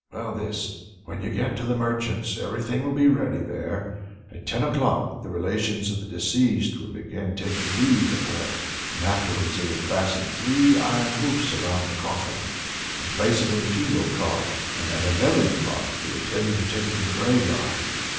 "Well this. When you get to the merchant's, everything will be ready there. At ten o'clock the relations of the deceased will begin taking leave of her; and afterwards they will fasten three iron hoops round the coffin, and place it on the funeral car; and at eleven o'clock they will tell you to take it to the graveyard.